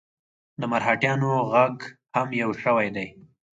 د مرهټیانو ږغ هم یو شوی دی.